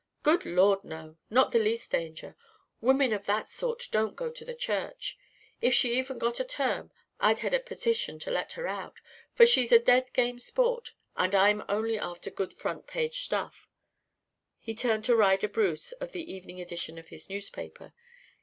"Good Lord, no. Not the least danger. Women of that sort don't go to the chair. If she even got a term, I'd head a petition to let her out, for she's a dead game sport, and I'm only after good front page stuff." He turned to Ryder Bruce of the evening edition of his newspaper.